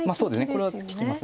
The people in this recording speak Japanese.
これは利きます。